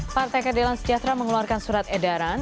partai keadilan sejahtera mengeluarkan surat edaran